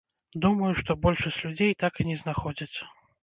Думаю, што большасць людзей так і не знаходзяць.